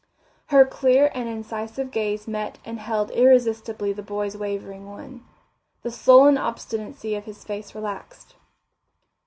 Her clear and incisive gaze met and held irresistibly the boy's wavering one. The sullen obstinacy of his face relaxed.